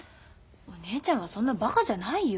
お姉ちゃんはそんなバカじゃないよ。